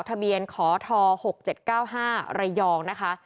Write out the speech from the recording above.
ทะเบียนขอท๖๗๙๕ระยองนะคะ